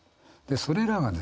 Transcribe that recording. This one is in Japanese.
それらがですね